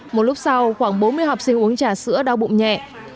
một lúc sau khoảng bốn mươi học sinh uống trà sữa đau bụng nhẹ